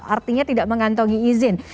artinya tidak mengantongi izin